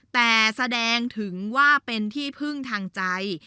แต่แสดงถึงว่าเป็นที่พึ่งทางใจ